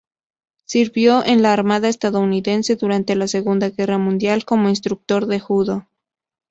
Sirvió en la armada estadounidense durante la Segunda Guerra Mundial como instructor de judo.